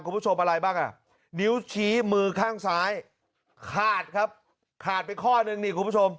คุณผู้ชมอะไรบ้างอ่ะนิ้วชี้มือข้างซ้ายขาดครับขาดไปข้อนึงนี่คุณผู้ชม